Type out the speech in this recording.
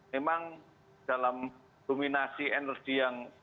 memang dalam dominasi energi yang